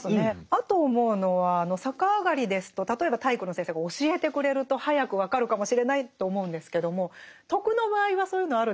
あと思うのは逆上がりですと例えば体育の先生が教えてくれると早く分かるかもしれないと思うんですけども「徳」の場合はそういうのあるんですか？